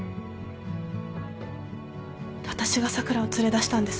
私が咲良を連れ出したんです。